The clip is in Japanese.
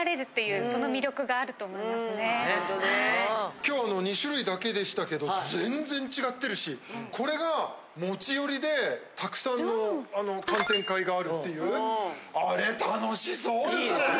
今日の２種類だけでしたけど全然違ってるしこれが持ち寄りでたくさんの寒天会があるっていうあれ楽しそうですね！